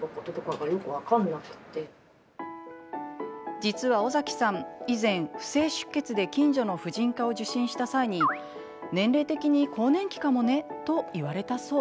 実は尾崎さん、以前、不正出血で近所の婦人科を受診した際に年齢的に更年期かもねと言われたそう。